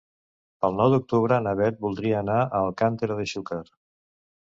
El nou d'octubre na Bet voldria anar a Alcàntera de Xúquer.